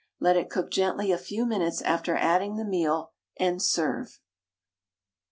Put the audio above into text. Let it cook gently a few minutes after adding the meal, and serve.